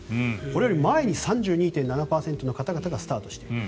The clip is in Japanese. これより前に３２．７％の方々がスタートしている。